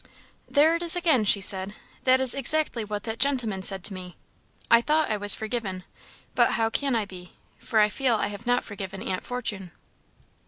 "There it is again!" she said. "That is exactly what that gentleman said to me. I thought I was forgiven, but how can I be for I feel I have not forgiven Aunt Fortune."